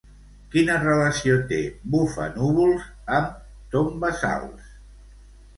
Quina relació té Bufanúvols amb Tombassals?